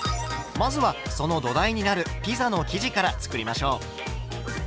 まずはその土台になるピザの生地から作りましょう。